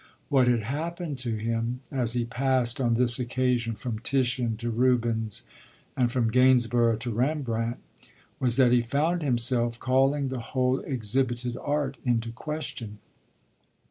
What had happened to him, as he passed on this occasion from Titian to Rubens and from Gainsborough to Rembrandt, was that he found himself calling the whole exhibited art into question.